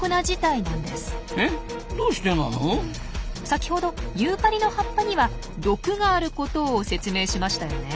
先ほどユーカリの葉っぱには毒があることを説明しましたよね？